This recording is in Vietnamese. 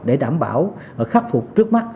để đảm bảo khắc phục trước mắt